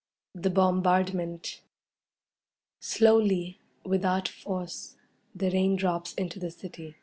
The Bombardment Slowly, without force, the rain drops into the city.